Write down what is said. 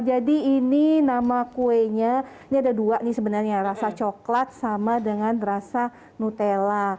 jadi ini nama kuenya ini ada dua nih sebenarnya rasa coklat sama dengan rasa nutella